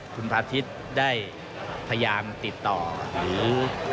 คุณพาทิศได้พยายามติดต่อหรือ